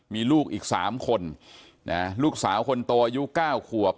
มีลูกอีกสามคนนะฮะลูกสาวคนโตอายุเก้าขวบ